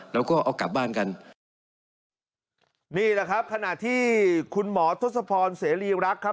แล้วก็เอากลับบ้านกันนี่แหละครับขณะที่คุณหมอทศพรเสรีรักษ์ครับ